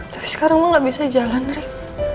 tapi sekarang lo gak bisa jalan rik